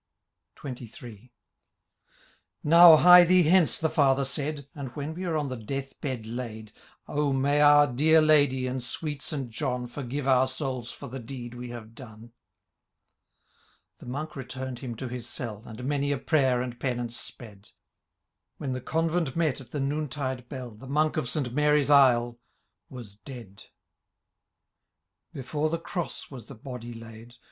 XXIII. ^ Now, hie thee hence,*^ the Father said, And when we are on death bed laid, O may our dear Ladye, and sweet St John, Foxgive our souls for the deed we have done !^*— i The monk returned him to his cell. And many a prayer and penance sped ; When the convent met at the noontide bell — The Monk of St Mary*s aisle was dead ! Beiore the cross was the body laid.